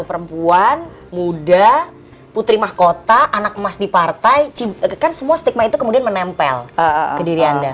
perempuan muda putri mahkota anak emas di partai kan semua stigma itu kemudian menempel ke diri anda